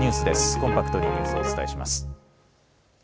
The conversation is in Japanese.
コンパクトにニュースをお伝えします。